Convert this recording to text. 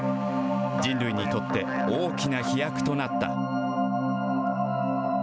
人類にとって、大きな飛躍となった。